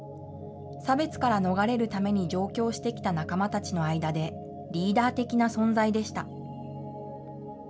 差別から逃れるために上京してきた仲間たちの間で、リーダー的な存在でした。